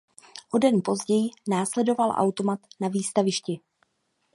O den později následoval automat na Výstavišti.